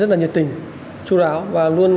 rất là nhiệt tình chu đáo và luôn